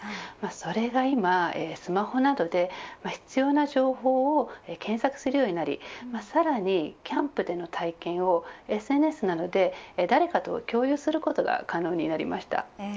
それが今、スマホなどで必要な情報を検索するようになりさらにキャンプでの体験をＳＮＳなどで誰かと共有することが可能になりました。